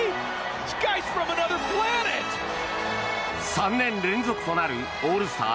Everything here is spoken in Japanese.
３年連続となるオールスター